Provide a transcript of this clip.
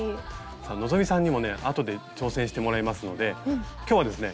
希さんにもね後で挑戦してもらいますので今日はですね